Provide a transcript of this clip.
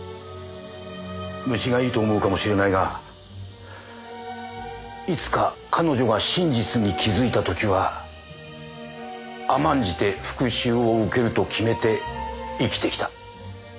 虫がいいと思うかもしれないがいつか彼女が真実に気づいた時は甘んじて復讐を受けると決めて生きてきた。